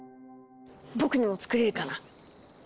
僕にも作れるかな。